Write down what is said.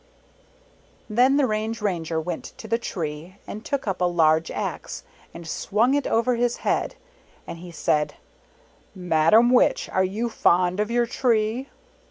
Then the Range Ranger went to the tree, and took up a large axe, and swung it over his head. And he said, " Madam Witch, are you fond of your tree?"